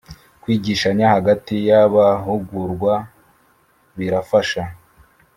Kwigishanya hagati y ‘abahugurwa birafasha.